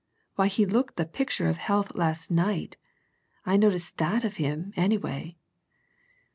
Why, he looked the picture of health last night. I noticed that of him, anyway!"